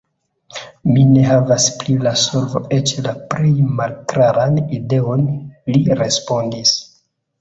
"Mi ne havas pri la solvo eĉ la plej malklaran ideon," li respondis.